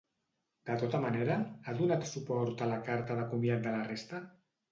De tota manera, ha donat suport a la carta de comiat de la resta?